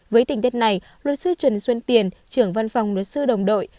với tình tiết này luật sư trần xuân tiền trưởng văn phòng luật sư đồng đội